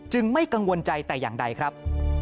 ไม่กังวลใจแต่อย่างใดครับ